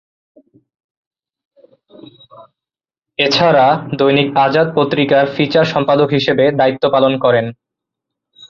এছাড়া দৈনিক আজাদ পত্রিকার ফিচার সম্পাদক হিসেবে দায়িত্ব পালন করেন।